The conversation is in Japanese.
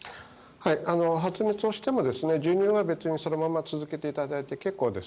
発熱をしても授乳はそのまま続けていただいて結構です。